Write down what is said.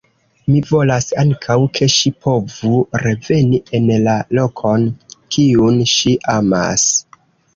Mi volas ankaŭ, ke ŝi povu reveni en la lokon, kiun ŝi amas.